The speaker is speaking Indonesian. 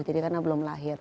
jadi karena belum lahir